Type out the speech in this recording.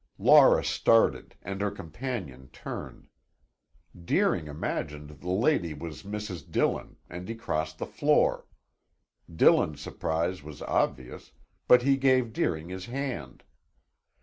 Laura started and her companion turned. Deering imagined the lady was Mrs. Dillon and he crossed the floor. Dillon's surprise was obvious, but he gave Deering his hand.